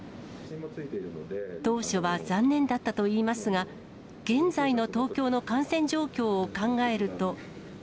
当初は残念だったといいますが、現在の東京の感染状況を考えると。